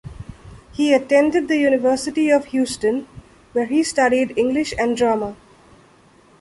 He attended the University of Houston, where he studied English and drama.